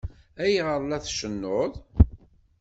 Ayɣer ay la tcennuḍ?